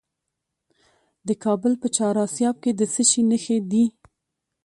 د کابل په چهار اسیاب کې د څه شي نښې دي؟